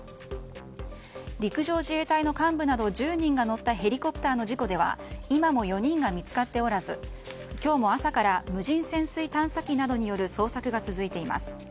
陸上自衛隊の幹部など１０人が乗ったヘリコプターの事故では今も４人が見つかっておらず今日も朝から無人潜水探査機などによる捜索が続いています。